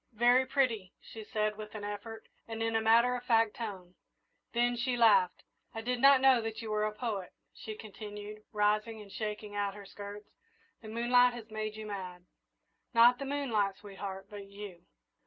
"Very pretty," she said, with an effort, and in a matter of fact tone, then she laughed. "I did not know you were a poet," she continued, rising and shaking out her skirts, "the moonlight has made you mad." "Not the moonlight, sweetheart, but you!"